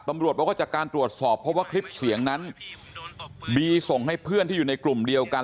ตำรวจบอกว่าจากการตรวจสอบเพราะว่าคลิปเสียงนั้นบีส่งให้เพื่อนที่อยู่ในกลุ่มเดียวกัน